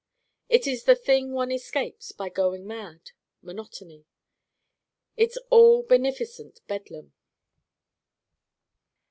It is the thing one escapes by going Mad: Monotony. It's all beneficent bedlam.